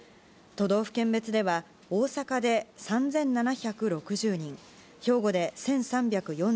都道府県別では大阪で３７６０人兵庫で１３４３人